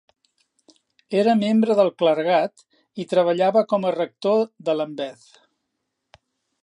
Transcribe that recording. Era membre del clergat i treballava com a Rector de Lambeth.